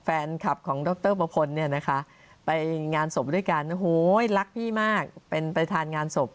แฟนคลับของดรปะพลไปงานศพด้วยกัน